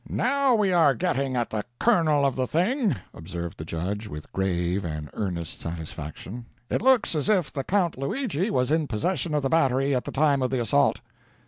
"Now we are getting at the kernel of the thing," observed the judge, with grave and earnest satisfaction. "It looks as if the Count Luigi was in possession of the battery at the time of the assault."